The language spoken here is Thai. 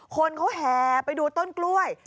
คนเขาแห่ไปดูต้นกล้วย